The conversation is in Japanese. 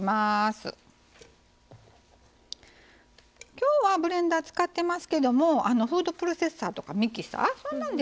今日はブレンダー使ってますけどもフードプロセッサーとかミキサーそんなんでもいいと思います。